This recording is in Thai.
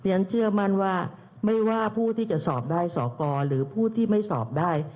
ฉันเชื่อมั่นว่าไม่ว่าผู้ที่จะสอบได้สอกรหรือผู้ที่ไม่สอบได้